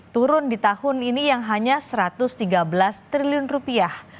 turun di tahun ini yang hanya satu ratus tiga belas triliun rupiah